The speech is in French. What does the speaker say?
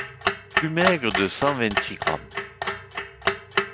Plus maigre de cent vingt-six grammes.